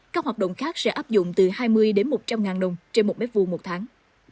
các hoạt động khác sẽ áp dụng từ hai mươi đồng đến một trăm linh đồng trên một m hai mỗi tháng